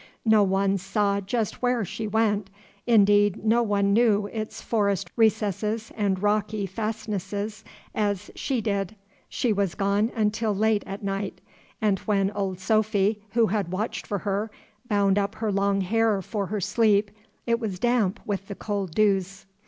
No one saw just where she went, indeed, no one knew its forest recesses and rocky fastnesses as she did. She was gone until late at night; and when Old Sophy, who had watched for her, bound up her long hair for her sleep, it was damp with the cold dews.